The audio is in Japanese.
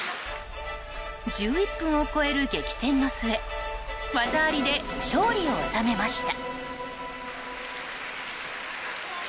１１分を超える激戦の末技ありで勝利を収めました。